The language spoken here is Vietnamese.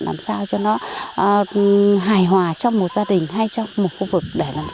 để làm sao cho nó hài hòa trong một gia đình hay trong một khu vực